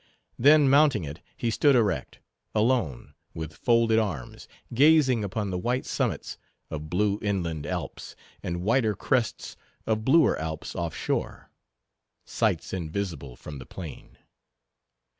Then mounting it, he stood erect, alone, with folded arms, gazing upon the white summits of blue inland Alps, and whiter crests of bluer Alps off shore—sights invisible from the plain.